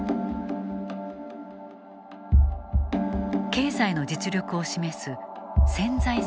経済の実力を示す潜在成長率。